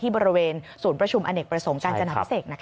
บริเวณศูนย์ประชุมอเนกประสงค์การจนาพิเศษ